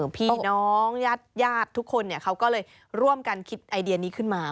พี่น้องญาติทุกคนเขาก็เลยร่วมกันคิดไอเดียนี้ขึ้นมา